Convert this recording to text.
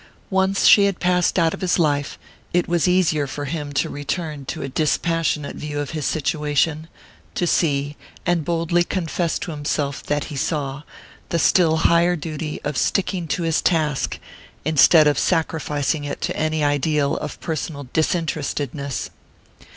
Once she had passed out of his life, it was easier for him to return to a dispassionate view of his situation, to see, and boldly confess to himself that he saw, the still higher duty of sticking to his task, instead of sacrificing it to any ideal of personal disinterestedness.